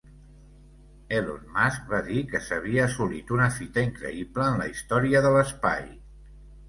Elon Musk va dir que s'havia assolit una fita increïble en la història de l'espai.